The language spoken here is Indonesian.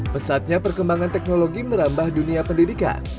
pesatnya perkembangan teknologi merambah dunia pendidikan